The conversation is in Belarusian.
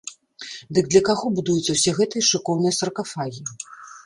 Дык для каго будуюцца ўсе гэтыя шыкоўныя саркафагі?